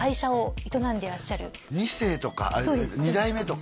２世とか２代目とか？